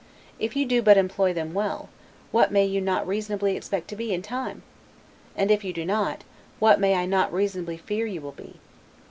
If you do but employ them well, what may you not reasonably expect to be, in time? And if you do not, what may I not reasonably fear you will be?